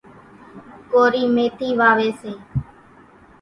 ڪورِي ميٿِي واويَ سي۔